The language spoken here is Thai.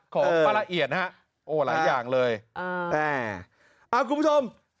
ขอบรรละเอียดฮะโหหลายอย่างเลยเออเอาคุณผู้ชม